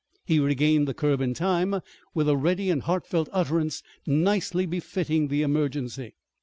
He regained the curb in time, with a ready and heartfelt utterance nicely befitting the emergency.